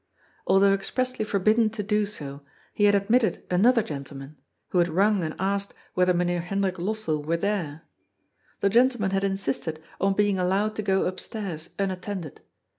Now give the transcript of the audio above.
Although expressly forbidden to do so, he had admitted another gentleman, who had rung and asked whether Myn heer Hendrik Lossell were there. The gentleman had in sisted on being allowed to go upstairs, unattended.